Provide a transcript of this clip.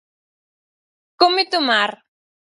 Cómete o mar.